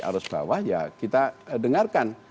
arus bawah ya kita dengarkan